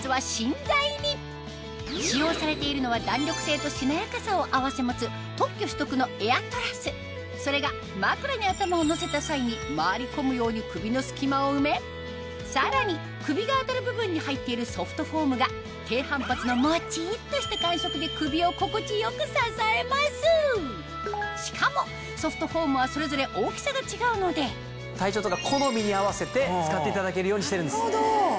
その使用されているのは弾力性としなやかさを併せ持つ特許取得のエアトラスそれが枕に頭をのせた際に回り込むように首の隙間を埋めさらに首が当たる部分に入っているソフトフォームが低反発のモチっとした感触で首を心地よく支えますしかもソフトフォームはそれぞれ大きさが違うので体調とか好みに合わせて使っていただけるようにしてるんです。